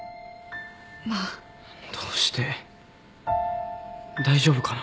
まあ。どうして大丈夫かな？